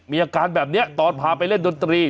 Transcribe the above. มีอาการแบบนี้ตอนพาไปเล่นดนตรี